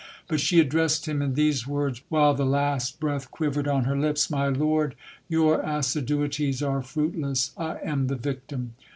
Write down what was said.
But she addressed him in these words, while the last breath quivered on her lips: My lord, your assiduities are fruitless, I am the victim.